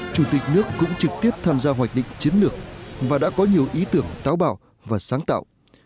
chủ tịch nước cũng trực tiếp tham gia hoạch định chiến lược và đã có nhiều ý tưởng táo bảo và sáng tạo